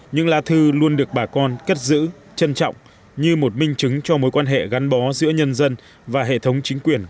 những lá thư luôn được bà con cất giữ trân trọng như một minh chứng cho mối quan hệ gắn bó giữa nhân dân và hệ thống chính quyền